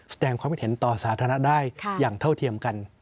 แสดงความคิดเห็นต่อสาธารณะได้อย่างเท่าเทียมกัน